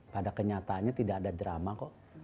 pada kenyataannya tidak ada drama kok